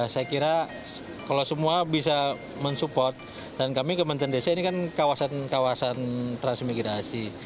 saya kira kalau semua bisa mensupport dan kami kementerian desa ini kan kawasan kawasan transmigrasi